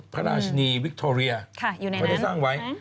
พระราชนีวิคโทเรียไม่ได้สร้างไว้